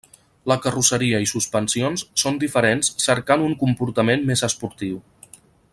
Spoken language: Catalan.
La carrosseria i suspensions són diferents cercant un comportament més esportiu.